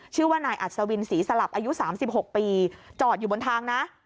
ชื่อว่านายอัศวินศรีสลับอายุ๓๖ปีจอดอยู่บนทางนะ